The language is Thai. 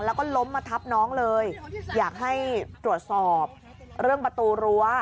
แล้วก็ล้มมาทับน้องเลยอยากให้ตรวจสอบเรื่องประตูรั้ว